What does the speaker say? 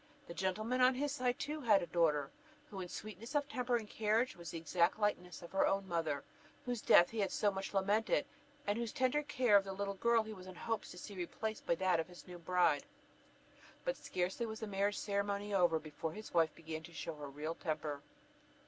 The gentleman on his side too had a daughter, who in sweetness of temper and carriage was the exact likeness of her own mother, whose death he had so much lamented, and whose tender care of the little girl he was in hopes to see replaced by that of his new bride. But scarcely was the marriage ceremony over, before his wife began to show her real temper.